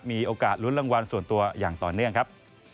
มีโอกาสลุ้นรางวัลส่วนตัวอย่างต่อเนื่องครับ